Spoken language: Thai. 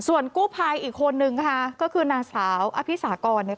ส่วนกู้ภัยอีกคนนึงค่ะก็คือนางสาวอภิษากรเนี่ย